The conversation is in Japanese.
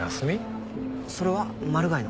それはマル害の？